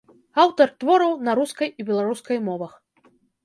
Аўтар твораў на рускай і беларускай мовах.